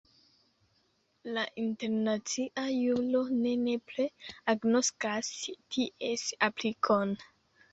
La internacia juro ne nepre agnoskas ties aplikon.